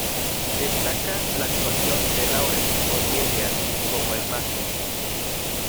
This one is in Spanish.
Destaca la actuación de Lawrence Olivier como el Mahdi.